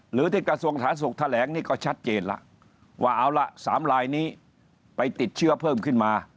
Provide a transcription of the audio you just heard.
หรือที่กระทรวงฐานสุขแถลงนี่ก็ชัดเจนแล้วว่าเอาละ๓ลายนี้ไปติดเชื้อเพิ่มขึ้นมา